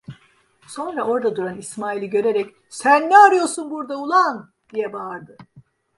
Sonra orada duran İsmail'i görerek: "Sen ne arıyorsun burada ulan!" diye bağırdı.